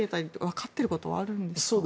分かっていることはあるんでしょうか。